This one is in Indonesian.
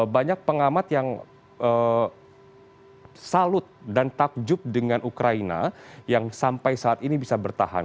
banyak pengamat yang salut dan takjub dengan ukraina yang sampai saat ini bisa bertahan